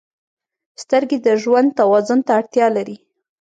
• سترګې د ژوند توازن ته اړتیا لري.